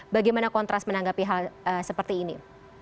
bagaimana kontras menanggapi hal seperti ini